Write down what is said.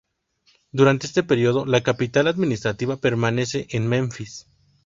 Durante este periodo, la capital administrativa permanece en Menfis.